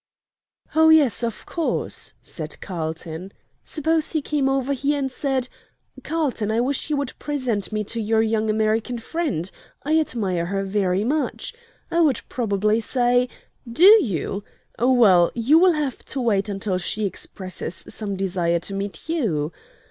"Oh yes, of course," said Carlton. "Suppose he came over here and said: 'Carlton, I wish you would present me to your young American friend. I admire her very much,' I would probably say: 'Do you? Well, you will have to wait until she expresses some desire to meet you.'